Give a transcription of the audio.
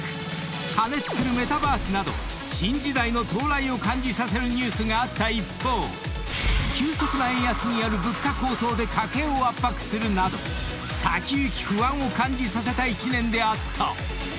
過熱するメタバースなど新時代の到来を感じさせるニュースがあった一方急速な円安による物価高騰で家計を圧迫するなど先行き不安を感じさせた一年であった］